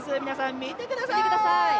皆さん、見てください！